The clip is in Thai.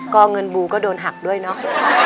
ก็เงินบูก็โดนหักด้วยเนาะ